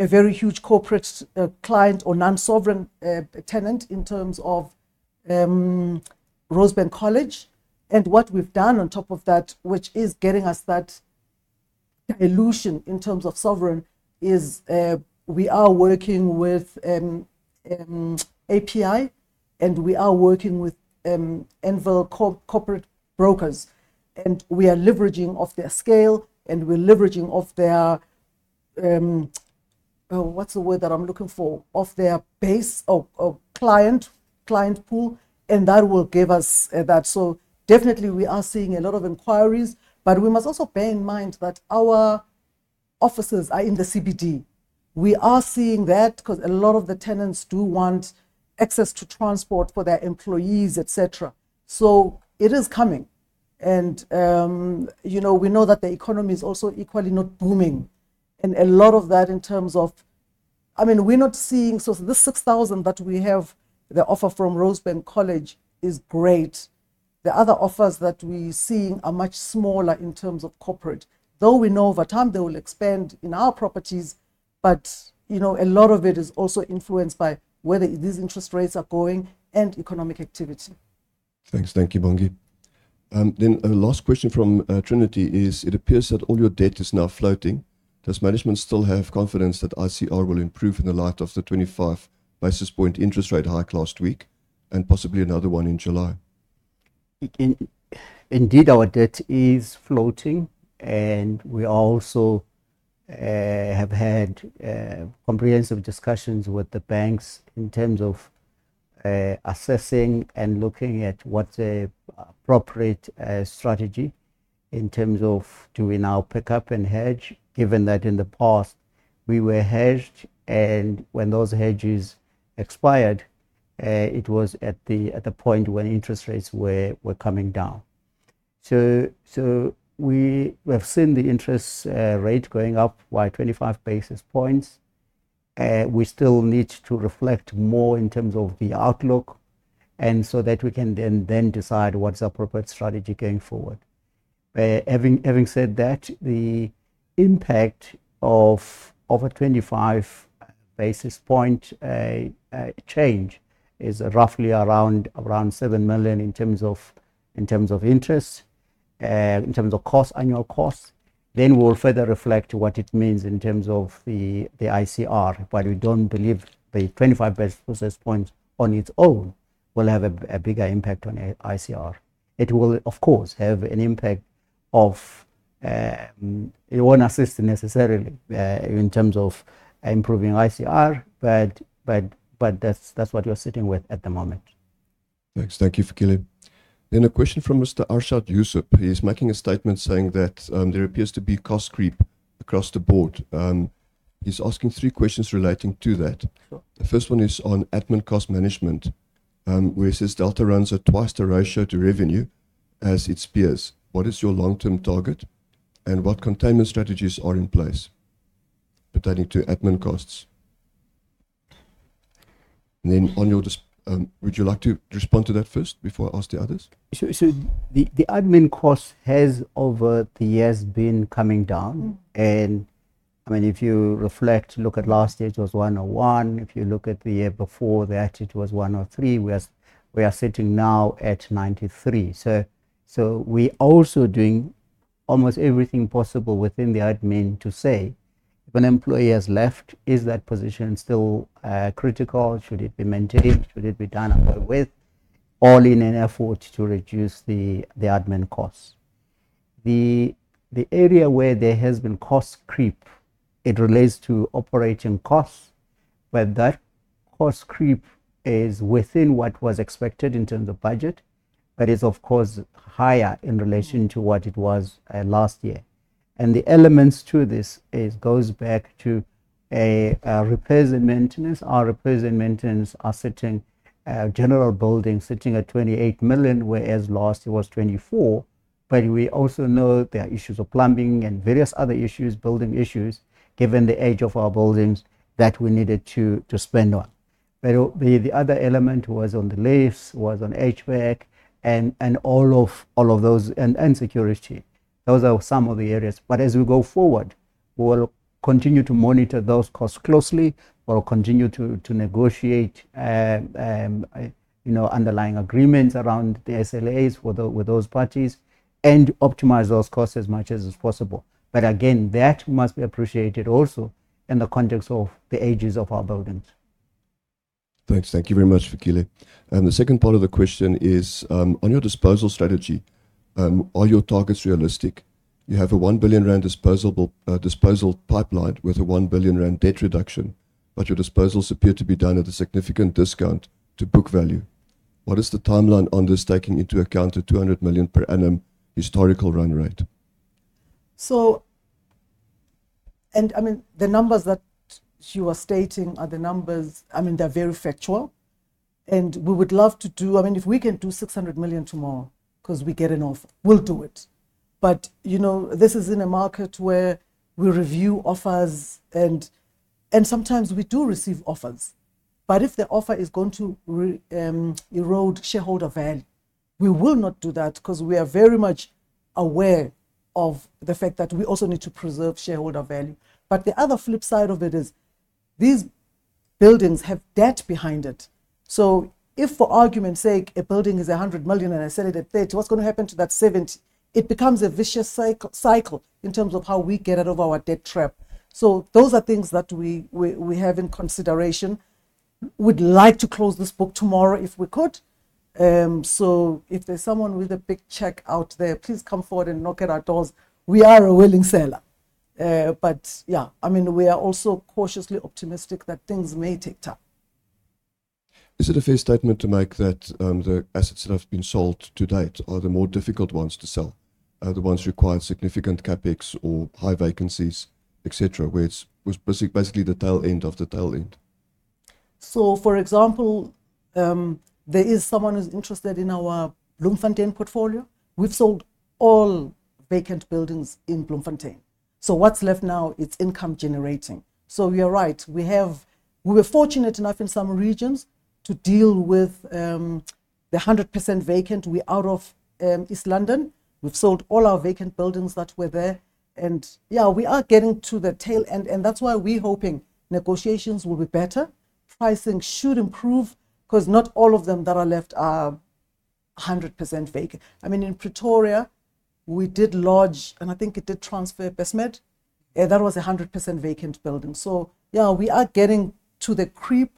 B: a very huge corporate client or non-sovereign tenant in terms of Rosebank College. What we've done on top of that, which is getting us that dilution in terms of sovereign is, we are working with API and we are working with Anvil Corporate Brokers. We are leveraging off their scale and we're leveraging off their, what's the word that I'm looking for? Off their base of client pool, and that will give us that. Definitely we are seeing a lot of inquiries, but we must also bear in mind that our offices are in the CBD. We are seeing that because a lot of the tenants do want access to transport for their employees, et cetera. It is coming, and we know that the economy is also equally not booming. A lot of that in terms of, we're not seeing, so this 6,000 sq m that we have, the offer from Rosebank College is great. The other offers that we're seeing are much smaller in terms of corporate, though we know over time they will expand in our properties. A lot of it is also influenced by where these interest rates are going and economic activity.
A: Thanks. Thank you, Bongi. Last question from Trinity is, it appears that all your debt is now floating. Does management still have confidence that ICR will improve in the light of the 25 basis point interest rate hike last week, and possibly another one in July?
C: Indeed, our debt is floating, and we also have had comprehensive discussions with the banks in terms of assessing and looking at what the appropriate strategy in terms of do we now pick up and hedge, given that in the past we were hedged and when those hedges expired, it was at the point when interest rates were coming down. We have seen the interest rate going up by 25 basis points. We still need to reflect more in terms of the outlook and so that we can then decide what's the appropriate strategy going forward. Having said that, the impact of a 25 basis point change is roughly around 7 million in terms of interest, in terms of cost, annual cost. We'll further reflect what it means in terms of the ICR. We don't believe the 25 basis points on its own will have a bigger impact on ICR. It will, of course, have an impact of, it won't assist necessarily, in terms of improving ICR, but that's what we're sitting with at the moment.
A: Thanks. Thank you, Fikile. A question from Mr. Arshad Yusuf. He's making a statement saying that there appears to be cost creep across the board. He's asking three questions relating to that.
C: Sure.
A: The first one is on admin cost management, where he says Delta runs at twice the ratio to revenue as its peers. What is your long-term target and what containment strategies are in place pertaining to admin costs? Would you like to respond to that first before I ask the others?
C: Sure. The admin cost has over the years been coming down and if you reflect, look at last year, it was 101 million. If you look at the year before that, it was 103 million. We are sitting now at 93 million. We're also doing almost everything possible within the admin to say if an employee has left, is that position still critical? Should it be maintained? Should it be done away with? All in an effort to reduce the admin costs. The area where there has been cost creep, it relates to operating costs, but that cost creep is within what was expected in terms of budget, but is of course higher in relation to what it was last year. The elements to this goes back to repairs and maintenance. Our repairs and maintenance, our general building sitting at 28 million, whereas last year was 24 million. We also know there are issues of plumbing and various other building issues, given the age of our buildings, that we needed to spend on. The other element was on the lifts, was on HVAC, and all of those, and security. Those are some of the areas. As we go forward, we'll continue to monitor those costs closely. We'll continue to negotiate underlying agreements around the SLAs with those parties and optimize those costs as much as is possible. Again, that must be appreciated also in the context of the ages of our buildings.
A: Thanks. Thank you very much, Fikile. The second part of the question is, on your disposal strategy, are your targets realistic? You have a 1 billion rand disposal pipeline with a 1 billion rand debt reduction, but your disposals appear to be done at a significant discount to book value. What is the timeline on this, taking into account a 200 million per annum historical run rate?
B: The numbers that you are stating are the numbers, they're very factual. We would love to do. If we can do 600 million tomorrow because we get an offer, we'll do it. This is in a market where we review offers and sometimes we do receive offers. If the offer is going to erode shareholder value, we will not do that because we are very much aware of the fact that we also need to preserve shareholder value. The other flip side of it is these buildings have debt behind it. If for argument's sake, a building is 100 million and I sell it at 30 million, what's going to happen to that 70 million? It becomes a vicious cycle in terms of how we get out of our debt trap. Those are things that we have in consideration. We'd like to close this book tomorrow if we could. If there's someone with a big check out there, please come forward and knock at our doors. We are a willing seller. Yeah, we are also cautiously optimistic that things may take time.
A: Is it a fair statement to make that the assets that have been sold to date are the more difficult ones to sell? Are the ones require significant CapEx or high vacancies, et cetera, where it's basically the tail end of the tail end?
B: For example, there is someone who's interested in our Bloemfontein portfolio. We've sold all vacant buildings in Bloemfontein. What's left now, it's income generating. You are right. We were fortunate enough in some regions to deal with the 100% vacant. We're out of East London. We've sold all our vacant buildings that were there. Yeah, we are getting to the tail end, and that's why we're hoping negotiations will be better. Pricing should improve because not all of them that are left are 100% vacant. In Pretoria, we did lodge, and I think it did transfer Bestmed. That was 100% vacant building. Yeah, we are getting to the creep,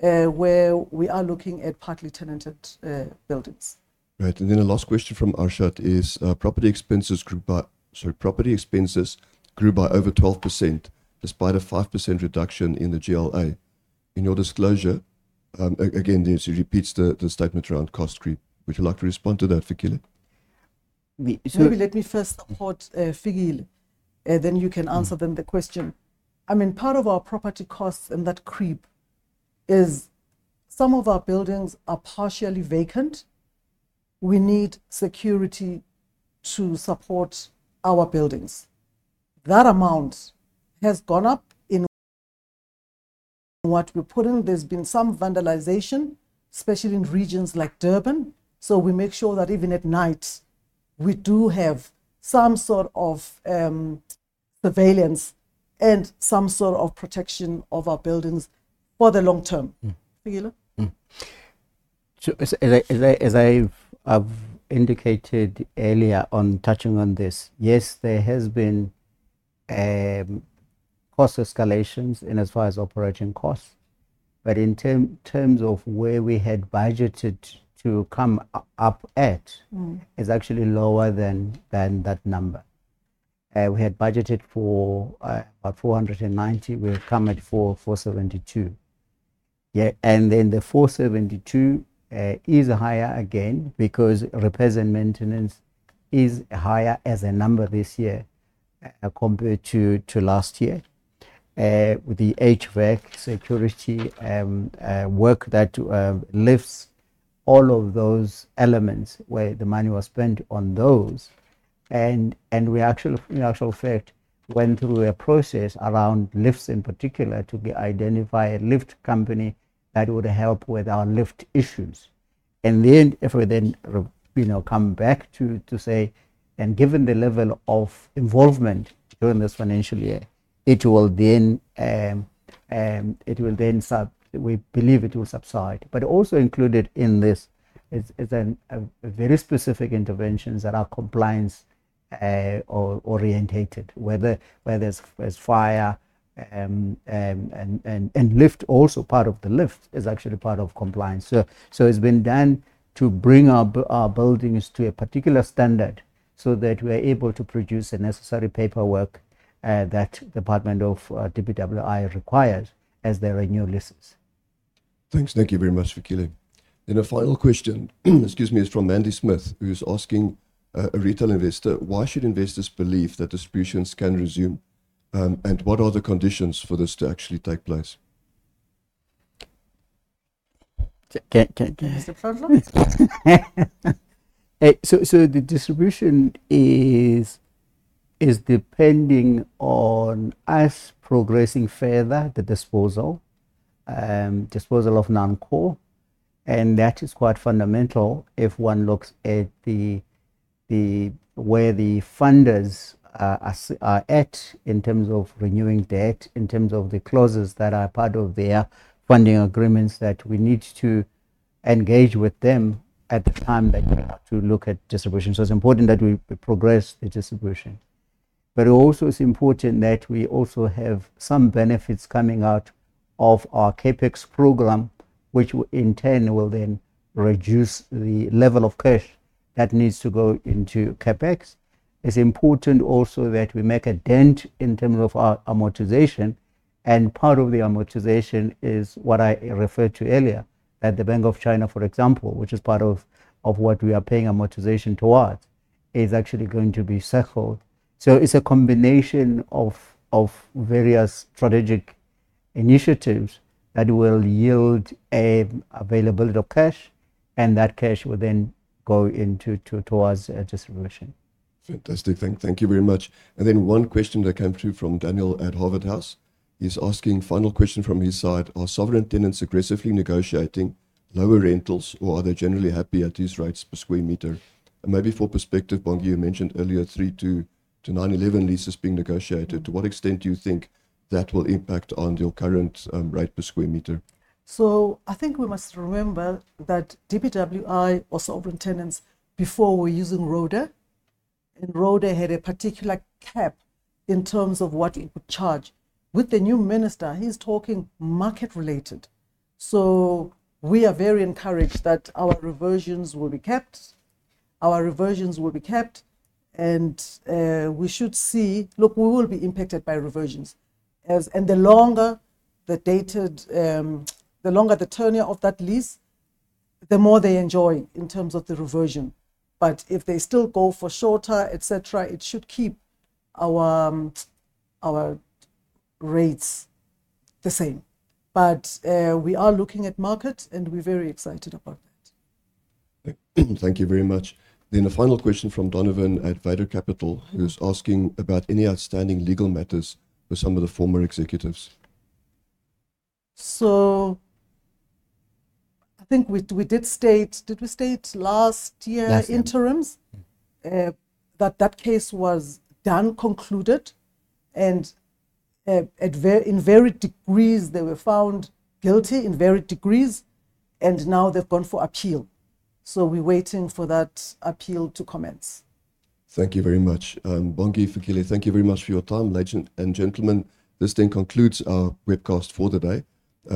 B: where we are looking at partly tenanted buildings.
A: Right. The last question from Arshad is, property expenses grew by over 12%, despite a 5% reduction in the GLA. In your disclosure, again, this repeats the statement around cost creep. Would you like to respond to that, Fikile?
B: Maybe let me first support Fikile, then you can answer the question. Part of our property costs and that creep is some of our buildings are partially vacant. We need security to support our buildings. That amount has gone up in what we're putting. There's been some vandalization, especially in regions like Durban. We make sure that even at night, we do have some sort of surveillance and some sort of protection of our buildings for the long term. Fikile.
C: As I've indicated earlier on touching on this, yes, there has been cost escalations in as far as operating costs, but in terms of where we had budgeted to come up at is actually lower than that number. We had budgeted for about 490 million. We have come at 472 million. Yeah. The 472 million is higher again because repairs and maintenance is higher as a number this year, compared to last year. With the HVAC, security, and work lifts, all of those elements where the money was spent on those. We in actual fact went through a process around lifts in particular to identify a lift company that would help with our lift issues. If we then come back to say, and given the level of involvement during this financial year, we believe it will subside. Also included in this is very specific interventions that are compliance oriented, whether it's fire, and also part of the lift is actually part of compliance. It's been done to bring our buildings to a particular standard so that we are able to produce the necessary paperwork that Department of DPWI requires as they renew leases.
A: Thanks. Thank you very much, Fikile. A final question, excuse me, is from Andy Smith, who's asking, a retail investor, why should investors believe that distributions can resume, and what are the conditions for this to actually take place?
C: Can, can-
B: [inaudible]
C: The distribution is depending on us progressing further the disposal of non-core, and that is quite fundamental if one looks at where the funders are at in terms of renewing debt, in terms of the clauses that are part of their funding agreements, that we need to engage with them at the time that we have to look at distribution. It's important that we progress the distribution. Also it's important that we also have some benefits coming out of our CapEx program, which will in turn then reduce the level of cash that needs to go into CapEx. It's important also that we make a dent in terms of our amortization. Part of the amortization is what I referred to earlier at the Bank of China, for example, which is part of what we are paying amortization towards, is actually going to be settled. It's a combination of various strategic initiatives that will yield availability of cash, and that cash will then go towards distribution.
A: Fantastic. Thank you very much. One question that came through from Daniel at Harvard House. He's asking, final question from his side, are sovereign tenants aggressively negotiating lower rentals, or are they generally happy at these rates per square meter? Maybe for perspective, Bongi, you mentioned earlier three to nine, 11 leases being negotiated. To what extent do you think that will impact on your current rate per square meter?
B: I think we must remember that DPWI or sovereign tenants before were using RODA. RODA had a particular cap in terms of what it would charge. With the new minister, he's talking market related. We are very encouraged that our reversions will be [capped]. Our reversions will be [capped]. Look, we will be impacted by reversions. The longer the tenure of that lease, the more they enjoy in terms of the reversion. If they still go for shorter, et cetera, it should keep our rates the same. We are looking at market, and we're very excited about that.
A: Thank you very much. A final question from Donnovan at [Vado] Capital, who's asking about any outstanding legal matters with some of the former executives.
B: I think we did state. Did we state last year interims?
A: Yes.
B: That case was done, concluded, and in varied degrees they were found guilty in varied degrees, and now they've gone for appeal. We're waiting for that appeal to commence.
A: Thank you very much. Bongi, Fikile, thank you very much for your time. Ladies and gentlemen, this then concludes our webcast for the day.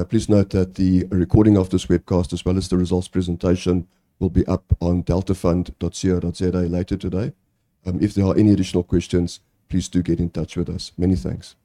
A: Please note that the recording of this webcast, as well as the results presentation, will be up on deltafund.co.za later today. If there are any additional questions, please do get in touch with us. Many thanks.